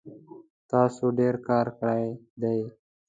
تاسو ډیر کار کړی دی